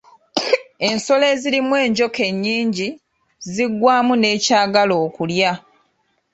Ensolo ezirimu enjoka ennyingi ziggwamu n’ekyagala okulya.